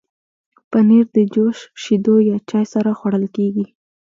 پنېر د جوس، شیدو یا چای سره خوړل کېږي.